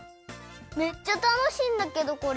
めっちゃたのしいんだけどこれ。